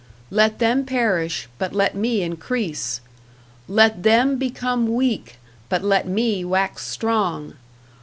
Let them perish, but let me increase! Let them become weak, but let me wax strong!